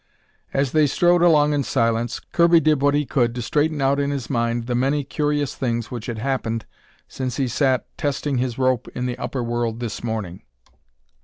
As they strode along in silence, Kirby did what he could to straighten out in his mind the many curious things which had happened since he sat testing his rope in the upper world this morning.